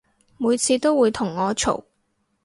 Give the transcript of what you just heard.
每次都會同我嘈